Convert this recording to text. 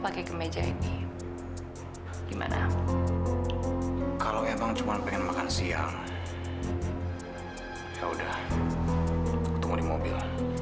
kalau emang cuma pengen makan siang yaudah tunggu di mobil